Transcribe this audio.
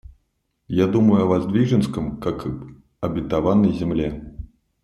Я думаю о Воздвиженском, как об обетованной земле.